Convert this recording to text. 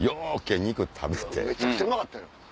めちゃくちゃうまかった。